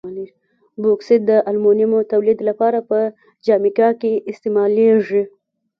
بوکسیت د المونیمو تولید لپاره په جامیکا کې استعمالیږي.